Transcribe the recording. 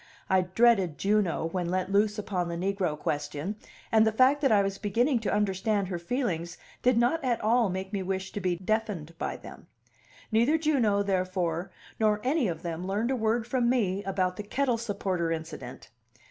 I dreaded Juno when let loose upon the negro question; and the fact that I was beginning to understand her feelings did not at all make me wish to be deafened by them. Neither Juno, therefore, nor any of them learned a word from me about the kettle supporter incident.